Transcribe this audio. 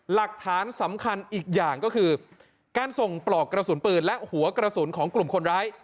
หลักฐานสำคัญอีกอย่างก็คือการส่งปลอกกระสุนปืนและหัวกระสุนของกลุ่มคนร้าย